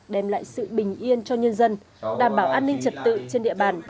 đem lại sự bình yên cho nhân dân đảm bảo an ninh trật tự trên địa bàn